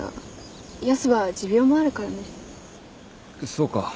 そうか。